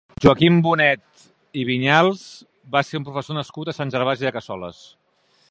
Joaquim Bonet i Vinyals va ser un professor nascut a Sant Gervasi de Cassoles.